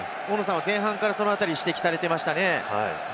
前半からそのあたりを指摘されていましたね。